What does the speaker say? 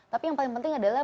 tapi yang paling penting adalah